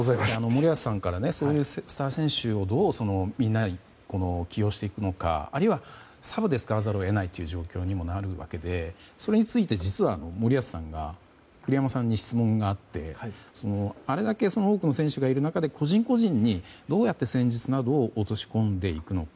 森保さんからそういうスター選手をどう起用していくのかあるいはサブで使わざるを得ない状況にもなるわけでそれについて実は森保さん栗山さんに質問があってあれだけ多くの選手がいる中で個人個人にどうやって戦術などを落とし込んでいるのか。